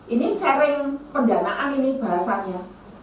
ini sharing pendanaan ini bahasanya